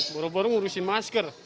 baru baru ngurusin masker